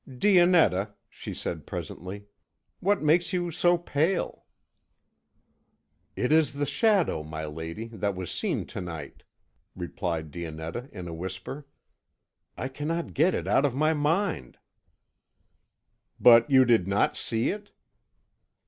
"Dionetta," she said presently, "what makes you so pale?" "It is the Shadow, my lady, that was seen to night," replied Dionetta in a whisper; "I cannot get it out of my mind." "But you did not see it?"